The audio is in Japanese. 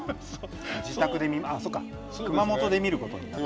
自宅であっそっか熊本で見ることになる。